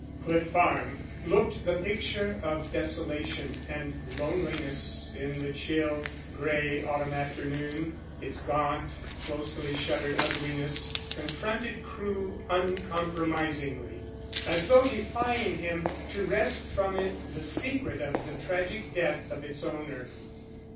Cliff Farm looked the picture of desolation and loneliness in the chill, grey autumn afternoon. Its gaunt, closely shuttered ugliness confronted Crewe uncompromisingly, as though defying him to wrest from it the secret of the tragic death of its owner.